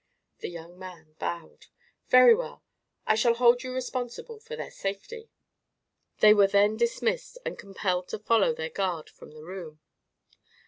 The young man bowed. "Very well; I shall hold you responsible for their safety." They were then dismissed and compelled to follow their guard from the room.